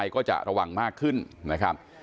ก็จะระวังมากขึ้นนะครับ